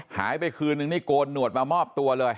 หายไปคืนนึงนี่โกนหนวดมามอบตัวเลย